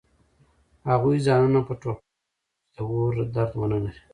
هغوی ځانونه په ټوپک ویشتل چې د اور درد ونلري